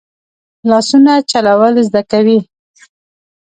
لاسونه چلول زده کوي